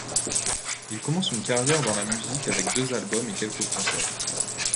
Il commence une carrière dans la musique avec deux albums et quelques concerts.